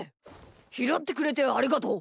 ひろってくれてありがとう。